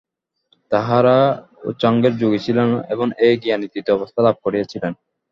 তাঁহারা উচ্চাঙ্গের যোগী ছিলেন এবং এই জ্ঞানাতীত অবস্থা লাভ করিয়াছিলেন।